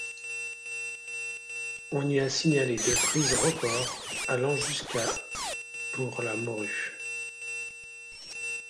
On y a signalé des prises record allant jusqu'à pour la morue.